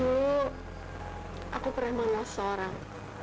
dulu aku pernah mangos seorang